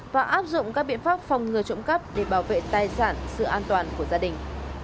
và áp dụng các biện pháp phòng ngừa trộm cắp để bảo vệ tài sản sự an toàn của gia đình